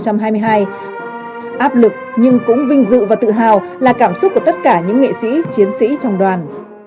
áp lực nhưng cũng vinh dự và tự hào là cảm xúc của tất cả những nghệ sĩ chiến sĩ trong đoàn